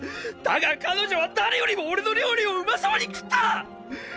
だが彼女は誰よりも俺の料理を美味そうに食った！！